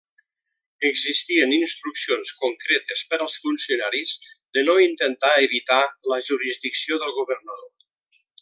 Existien instruccions concretes per als funcionaris de no intentar evitar la jurisdicció del governador.